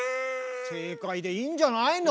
正解でいいんじゃないの？